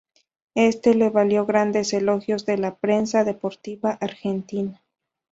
Esto le valió grandes elogios de la prensa deportiva argentina.